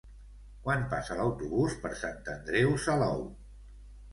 Quan passa l'autobús per Sant Andreu Salou?